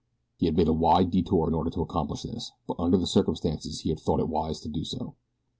He had made a wide detour in order to accomplish this; but under the circumstances he had thought it wise to do so.